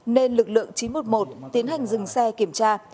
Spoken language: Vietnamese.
nên lực lượng chín trăm một mươi một tiến hành dừng xe kiểm tra